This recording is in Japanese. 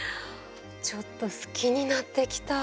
ちょっと好きになってきた。